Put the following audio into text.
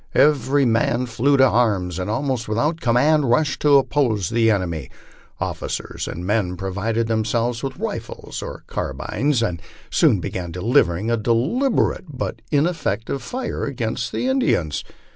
Every man flew to arms and almost without command rushed to oppose the enemy. Officers and men provided themselves with rifles or carbines, and soon began delivering a deliberate but ineffective fire against the Indians.